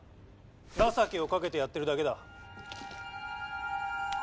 情けをかけてやっているだけだ。